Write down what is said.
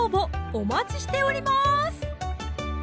お待ちしております